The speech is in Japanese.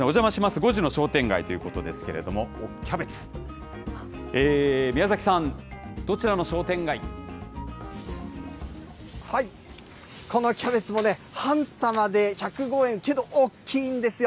５時の商店街ということですけれども、キャベツ、宮このキャベツもね、半玉で１０５円、けど大きいんですよ。